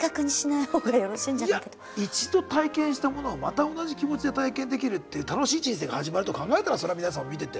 いや一度体験したものをまた同じ気持ちで体験できるっていう楽しい人生が始まると考えたらそれは皆さんも見てて。